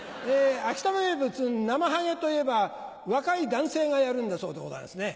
秋田名物なまはげといえば若い男性がやるんだそうでございますね。